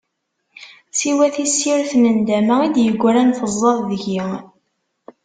Siwa tissirt n nndama i d-yegran tezzaḍ deg-i.